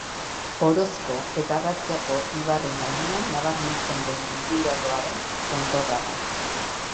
Orozko eta Arratiako ibarren gainean nabarmentzen den mendilerroaren tontorra da.